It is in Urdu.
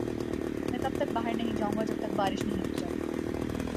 میں تب تک باہر نہیں جائو گا جب تک بارش نہیں رک جاتی۔